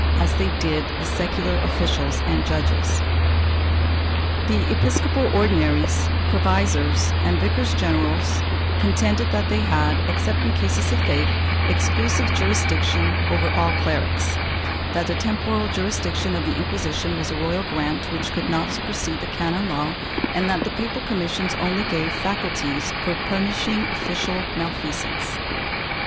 as they did the secular officials and judges. The episcopal Ordinaries, provisors and vicars general contended that they had, except in cases of faith, exclusive jurisdiction over all clerics; that the temporal jurisdiction of the Inquisition was a royal grant which could not supersede the canon law and that the papal commissions only gave faculties for punishing official malfeasance.